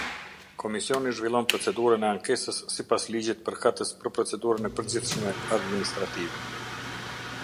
Komisioni zhvillon procedurën e ankesës sipas Ligjit përkatës për Procedurën e Përgjithshme Administrative.